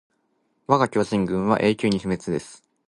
わが巨人軍は永久に不滅です